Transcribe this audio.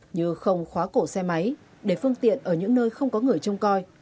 như không khóa cổ xe máy để phương tiện ở những nơi không có người trông coi